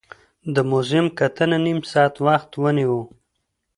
د موزیم کتنه نیم ساعت وخت ونیو.